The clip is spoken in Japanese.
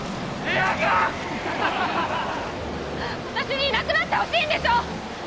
私にいなくなってほしいんでしょ！？